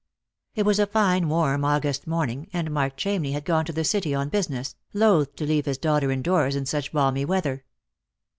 It was a fine warm August morning, and Mark Chamney had gone to the City on business, loth to leave his daughter indoors in such balmy weather.